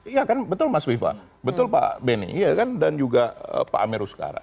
iya kan betul mas wiva betul pak benny iya kan dan juga pak amer ustara